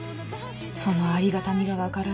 そのありがたみが分からない